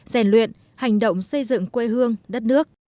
rèn luyện hành động xây dựng quê hương đất nước